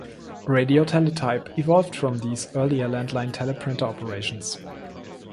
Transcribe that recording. Radioteletype evolved from these earlier landline teleprinter operations.